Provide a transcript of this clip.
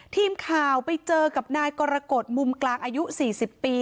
ทีมข่าวไปเจอกับนายกรกฎมุมกลางอายุ๔๐ปี